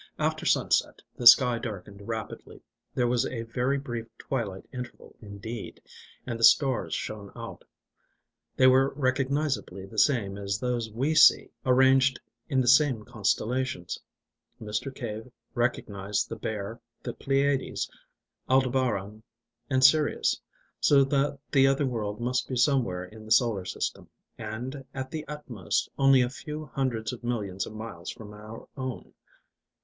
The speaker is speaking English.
After sunset, the sky darkened rapidly there was a very brief twilight interval indeed and the stars shone out. They were recognisably the same as those we see, arranged in the same constellations. Mr. Cave recognised the Bear, the Pleiades, Aldebaran, and Sirius: so that the other world must be somewhere in the solar system, and, at the utmost, only a few hundreds of millions of miles from our own.